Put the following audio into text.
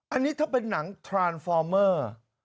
อันนี้ถ้าเป็นหนังทรานฟอร์เมอร์